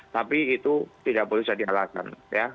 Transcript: tapi itu tidak boleh jadi alasan